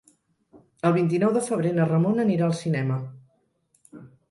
El vint-i-nou de febrer na Ramona anirà al cinema.